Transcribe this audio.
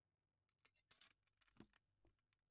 Pale pa mpango, bari paluriya po mayani